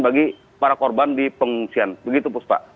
bagi para korban di pengungsian begitu puspa